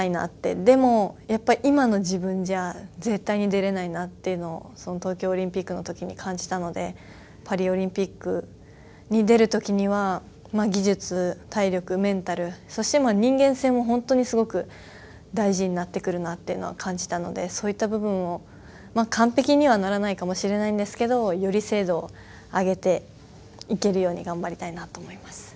でも、今の自分じゃ絶対に出れないなっていうのを東京オリンピックの時に感じたのでパリオリンピックに出る時には技術、体力、メンタルそして、人間性も本当にすごく大事になってくるなというのは感じたのでそういった部分を完璧にはならないかもしれないんですけどより精度を上げていけるように頑張りたいなと思います。